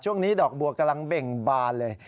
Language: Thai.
ช่วงนี้ดอกบัวกำลังเบ่งบานเลย